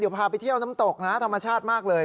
พาไปเที่ยวน้ำตกนะธรรมชาติมากเลย